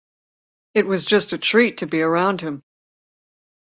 It was just a treat to be around him.